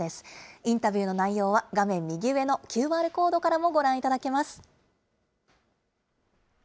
インタビューの内容は、画面右上のＱＲコードからもご覧いただけます。